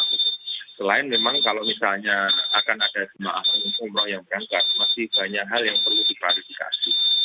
selain memang kalau misalnya akan ada jemaah umroh yang berangkat masih banyak hal yang perlu diklarifikasi